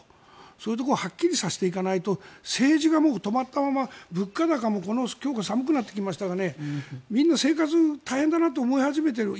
そういうところをはっきりさせていかないと政治が止まったまま物価高も今日から寒くなってきましたがみんな生活大変だなと思い始めている。